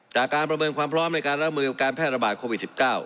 การประเมินความพร้อมในการรับมือกับการแพร่ระบาดโควิด๑๙